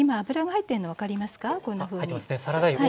入ってますね。